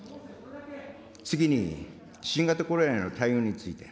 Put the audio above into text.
次に、新型コロナへの対応について。